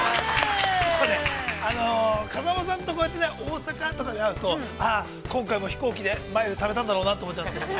◆風間さんとこうやってね大阪とかで会うとああ、今回も飛行機でマイルためたんだろうなと思っちゃうんですけど。